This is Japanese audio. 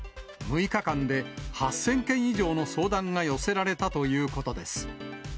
６日間で８０００件以上の相談が寄せられたということです。